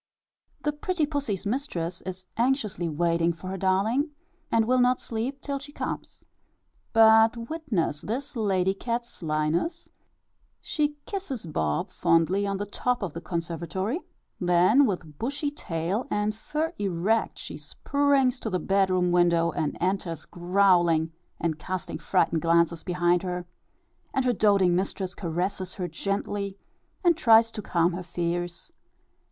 The pretty pussy's mistress is anxiously waiting for her darling, and will not sleep till she comes. But witness this lady cat's slyness; she kisses Bob fondly on the top of the conservatory, then with bushy tail and fur erect, she springs to the bedroom window, and enters growling, and casting frightened glances behind her, and her doating mistress caresses her gently, and tries to calm her fears.